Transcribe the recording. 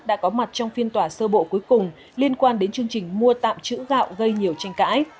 đã có mặt trong phiên tòa sơ bộ cuối cùng liên quan đến chương trình mua tạm trữ gạo gây nhiều tranh cãi